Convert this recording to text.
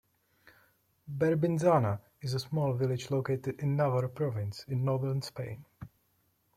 Berbinzana is a small village located in Navarre province, in Northern Spain.